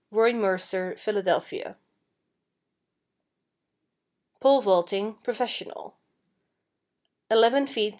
Roy Mercer, Philadelphia. =Pole Vaulting, Professional=: 11 ft.